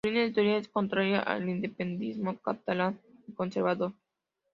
Su línea editorial es contraria al independentismo catalán y conservador.